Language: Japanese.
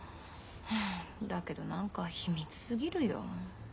だけど何か秘密すぎるよ。